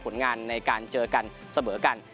ผลงานในการเจอกันเสมอกัน